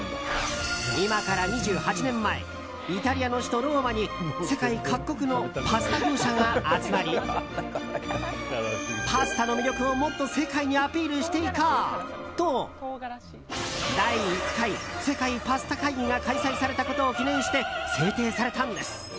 今から２８年前イタリアの首都ローマに世界各国のパスタ業者が集まりパスタの魅力を、もっと世界にアピールしていこう！と第１回世界パスタ会議が開催されたことを記念して制定されたんです。